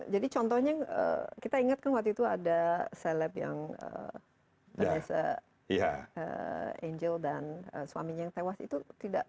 jadi contohnya kita ingat kan waktu itu ada seleb yang vanessa angel dan suaminya yang tewas itu tidak